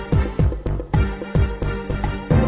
กินโทษส่องแล้วอย่างนี้ก็ได้